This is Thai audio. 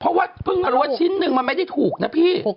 เพราะว่าเพิ่งมารู้ว่าชิ้นนึงมันไม่ได้ถูกนะพี่